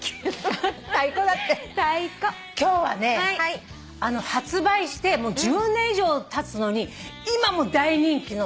今日はね発売してもう１０年以上たつのに今も大人気のグミ。